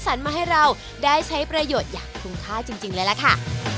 มาให้เราได้ใช้ประโยชน์อย่างคุ้มค่าจริงเลยล่ะค่ะ